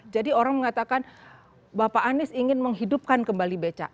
jadi orang mengatakan bapak anies ingin menghidupkan kembali becak